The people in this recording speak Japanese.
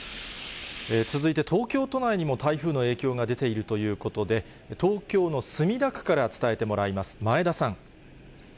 続いて東京都内にも台風の影響が出ているということで、東京の墨田区から伝えてもらいます。